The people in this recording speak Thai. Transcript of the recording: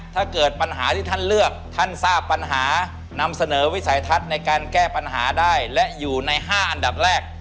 ถ้าเกิดปัญหาที่ท่านเลือกท่านทราบปัญหานำเสนอวิสัยทัศน์ในการแก้ปัญหาได้และอยู่ใน๕อันดับแรก